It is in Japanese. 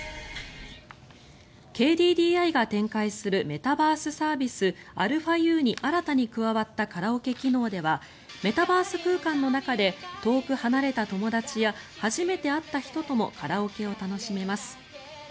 ＫＤＤＩが展開するメタバースサービスαＵに新たに加わったカラオケ機能ではメタバース空間の中で遠く離れた友達や初めて会った人ともカラオケを楽しめます。